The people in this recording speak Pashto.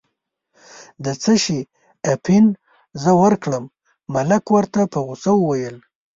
د څه شي اپین زه ورکړم، ملک ورته په غوسه وویل.